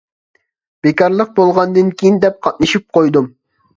بىكارلىق بولغاندىن كىيىن دەپ قاتنىشىپ قويدۇم.